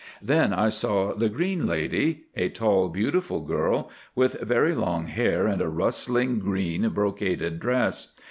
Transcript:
Then I saw 'The Green Lady'—a tall, beautiful girl with very long hair and a rustling green brocaded dress.